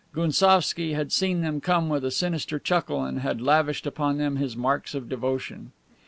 Gounsovski had seen them come with a sinister chuckle and had lavished upon them his marks of devotion.